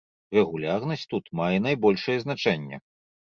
Рэгулярнасць тут мае найбольшае значэнне.